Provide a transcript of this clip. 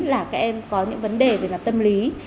là các em có những vấn đề về mặt tâm lý